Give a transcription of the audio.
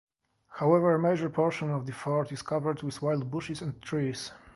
However major portion of the fort is covered with wild bushes and trees.